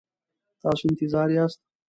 تاسو انتظار یاست؟